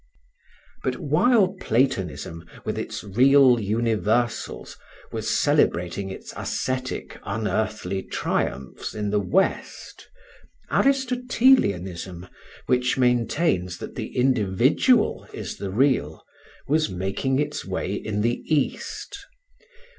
But while Platonism, with its real universals, was celebrating its ascetic, unearthly triumphs in the West, Aristotelianism, which maintains that the individual is the real, was making its way in the East.